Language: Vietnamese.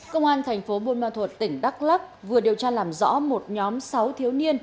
công an tp bồn ma thuật tỉnh đắk lắk vừa điều tra làm rõ một nhóm sáu thiếu niên